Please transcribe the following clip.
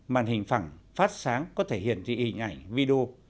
màn hình phẳng phát sáng có thể hiển thị hình ảnh video